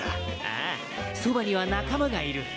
ああそばには仲間がいる。